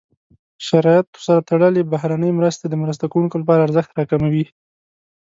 شرایطو سره تړلې بهرنۍ مرستې د مرسته کوونکو لپاره ارزښت راکموي.